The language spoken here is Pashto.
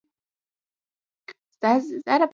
خیرکوټ ولسوالۍ لیرې ده؟